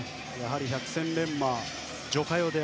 百戦錬磨ジョ・カヨ